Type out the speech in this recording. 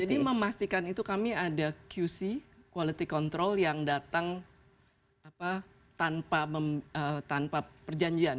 jadi memastikan itu kami ada qc quality control yang datang tanpa perjanjian